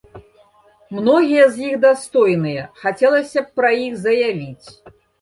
Многія з іх дастойныя, хацелася б пра іх заявіць.